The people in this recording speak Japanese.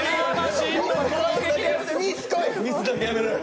ミスはやめろよ！